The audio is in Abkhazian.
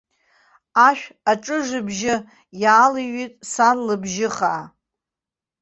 Ашә аҿыжбжьы иаалҩит сан лыбжьы хаа.